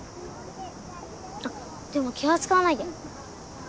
あでも気は使わないで。